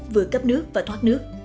vừa cấp nước và thoát nước